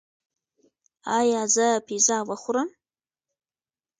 ایا زه پیزا وخورم؟